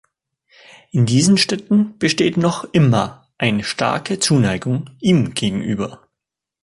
In diesen Städten besteht noch immer eine starke Zuneigung ihm gegenüber.